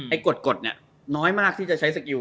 กฎกฎเนี่ยน้อยมากที่จะใช้สกิล